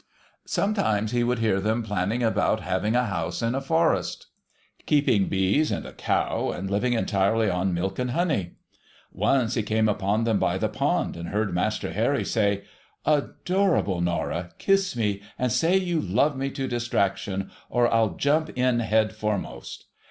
Some times he would hear them planning about having a house in a forest, yj 7 A SPANKING SUM OF MONEY 105 keeping bees and a cow, and living entirely on milk and honey. Once he came upon them by the pond, and heard Master Harry say, ' Adorable Norah, kiss me, and say you love me to distraction, or I'll jump in head foremost.'